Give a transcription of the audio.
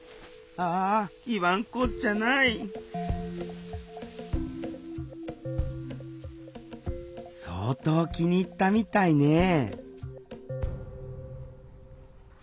あ言わんこっちゃない相当気に入ったみたいね